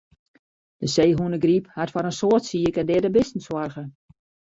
De seehûnegryp hat foar in soad sike en deade bisten soarge.